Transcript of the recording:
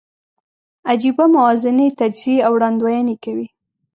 عجېبه موازنې، تجزیې او وړاندوینې کوي.